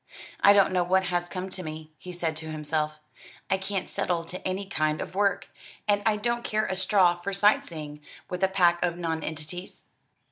"I don't know what has come to me," he said to himself; "I can't settle to any kind of work; and I don't care a straw for sight seeing with a pack of nonentities."